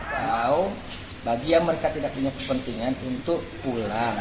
atau bagi yang mereka tidak punya kepentingan untuk pulang